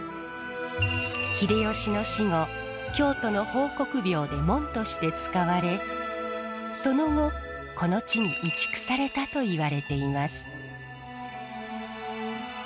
秀吉の死後京都の豊国廟で門として使われその後この地に移築されたといわれています。